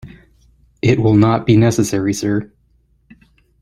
It will not be necessary, sir.